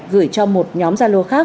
gửi cho một nhóm zalo khác